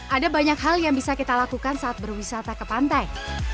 ada banyak hal yang bisa kita lakukan saat berwisata ke pantai